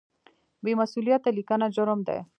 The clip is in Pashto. بې مسؤلیته لیکنه جرم دی.